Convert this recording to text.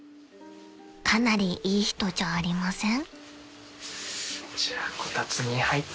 ［かなりいい人じゃありません？］